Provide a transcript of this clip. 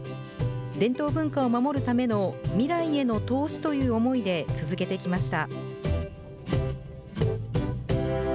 伝統文化を守るための未来への投資という思いで続けてきました。